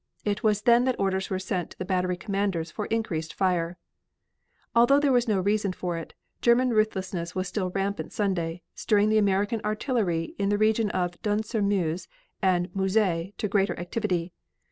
It was then that orders were sent to the battery commanders for increased fire. Although there was no reason for it, German ruthlessness was still rampant Sunday, stirring the American artillery in the region of Dun sur Meuse and Mouzay to greater activity.